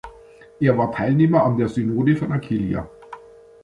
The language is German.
Er war Teilnehmer an der Synode von Aquileja.